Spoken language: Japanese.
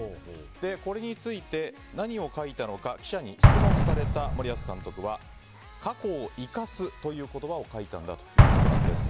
これについて、何を書いたのか記者に質問された森保監督は過去を生かすという言葉を書いたんだということです。